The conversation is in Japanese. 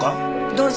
どうぞ。